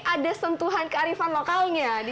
ada sentuhan kearifan lokalnya